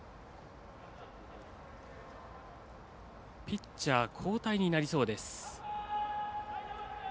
ピッチャー交代になりそうです。